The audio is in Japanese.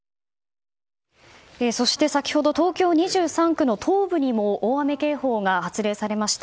そして先ほど東京２３区の東部にも大雨警報が発令されました。